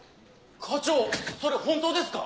課長それ本当ですか？